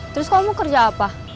terus kamu kerja apa